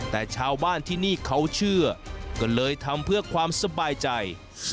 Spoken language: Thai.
แต่ชาวบ้านที่นี่เขาเชื่อก็เลยทำเพื่อความสบายใจ